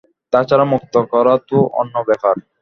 তাছাড়া, মুক্ত করা তো অন্য ব্যাপার।